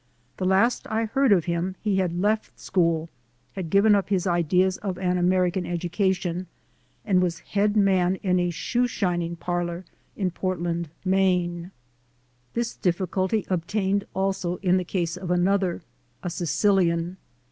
The last I heard of him he had left school, had given up his idea of an American education and was head man in a shoe shining parlor in Portland, Maine. This difficulty obtained also in the case of another, a Sicilian.